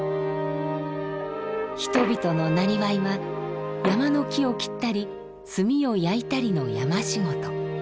人々の生業は山の木を切ったり炭を焼いたりの山仕事。